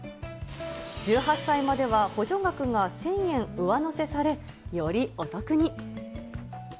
１８歳までは補助額が１０００円上乗せされ、よりお得に。